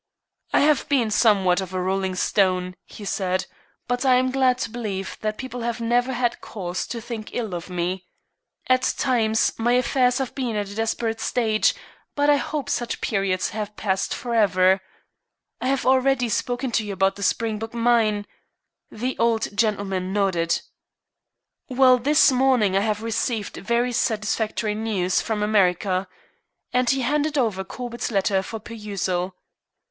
"I have been somewhat of a rolling stone," he said, "but I am glad to believe that people have never had cause to think ill of me. At times, my affairs have been at a desperate stage, but I hope such periods have passed forever. I have already spoken to you about the Springbok Mine " The old gentleman nodded. "Well, this morning I have received very satisfactory news from America," and he handed over Corbett's letter for perusal.